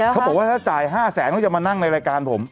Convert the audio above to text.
เขาบอกว่าถ้าจ่าย๕แสนเขาจะมานั่งในรายการผม